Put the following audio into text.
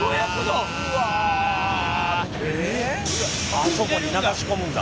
あそこに流し込むんだ。